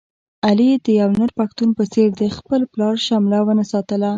علي د یو نر پښتون په څېر د خپل پلار شمله و نه ساتله.